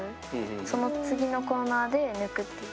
その次のコーナーで抜くっていう。